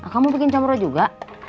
kamu bikin comro juga